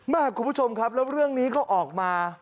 คุณผู้ชมครับแล้วเรื่องนี้ก็ออกมา